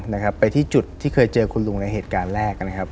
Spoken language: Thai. นะครับไปที่จุดที่เคยเจอคุณลุงในเหตุการณ์แรกนะครับ